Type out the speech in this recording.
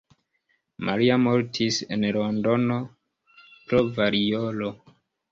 Maria mortis en Londono pro variolo.